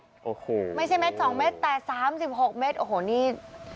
โอ้โหไม่ใช่เม็ด๒เมตรแต่๓๖เมตรโอ้โหนี่